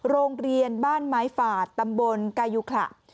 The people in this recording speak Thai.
โรงเรียนบ้านไม้ฝาดตำบลกายุขระ